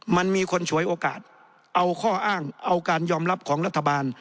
มันมีคนฉวยโอกาสเอาข้ออ้างเอาการยอมรับของรัฐบาล